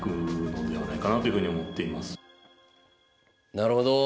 なるほど。